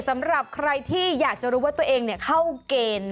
สำหรับใครที่อยากจะรู้ว่าตัวเองเข้าเกณฑ์